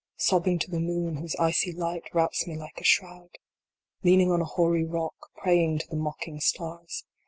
Sobbing to the moon, whose icy light wraps me like a shroud. Leaning on a hoary rock, praying to the mocking stars.